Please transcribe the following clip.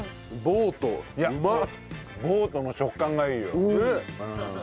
ボートの食感がいいよ。